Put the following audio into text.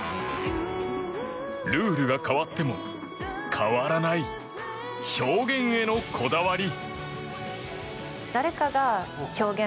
ルールが変わっても変わらない表現へのこだわり。